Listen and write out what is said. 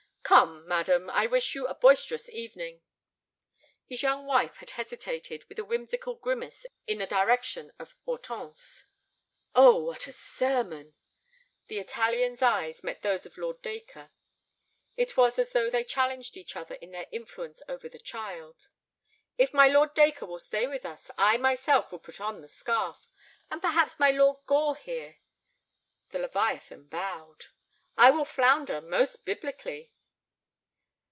"Come. Madam, I wish you a boisterous evening." His young wife had hesitated, with a whimsical grimace in the direction of Hortense. "Oh, what a sermon!" The Italian's eyes met those of Lord Dacre. It was as though they challenged each other in their influence over the child. "If my Lord Dacre will stay with us, I myself will put on the scarf. And perhaps my Lord Gore—here—" The leviathan bowed. "I will flounder—most biblically."